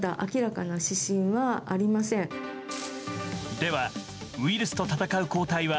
では、ウイルスと闘う抗体は